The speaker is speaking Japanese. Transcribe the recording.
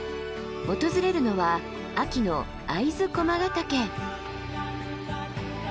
訪れるのは秋の会津駒ヶ岳。